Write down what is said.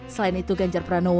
selain itu ganjar pranowo